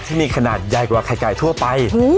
ที่มีขนาดใหญ่กว่าไข่ไก่ทั่วไป